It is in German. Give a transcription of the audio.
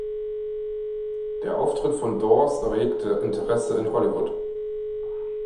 Der Auftritt von Dors erregte Interesse in Hollywood.